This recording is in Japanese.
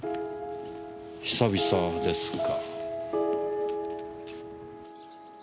久々ですか。